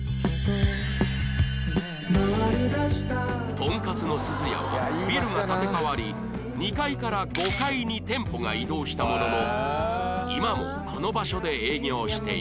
とんかつのすずやはビルが建て替わり２階から５階に店舗が移動したものの今もこの場所で営業している